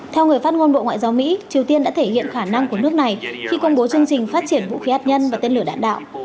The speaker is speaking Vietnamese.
theo người phát ngôn bộ ngoại giao mỹ triều tiên đã thể hiện khả năng của nước này khi công bố chương trình phát triển vũ khí hạt nhân và tên lửa đạn đạo